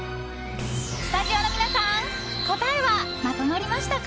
スタジオの皆さん答えはまとまりましたか？